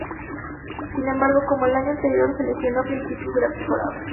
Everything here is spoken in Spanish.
Sin embargo, como el año anterior, se lesionó a principios de la temporada.